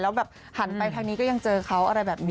แล้วแบบหันไปทางนี้ก็ยังเจอเขาอะไรแบบนี้